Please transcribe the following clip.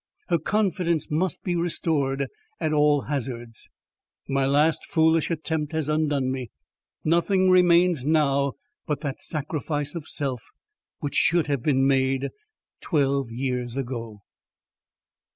HER confidence must be restored at all hazards. My last foolish attempt has undone me. Nothing remains now but that sacrifice of self which should have been made twelve years ago.